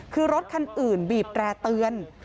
คือรถคันอื่นบีบแร่เตือน